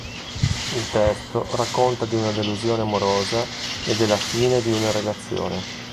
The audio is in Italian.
Il testo racconta di una delusione amorosa e della fine di una relazione.